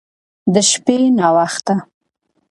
د شپې ناوخته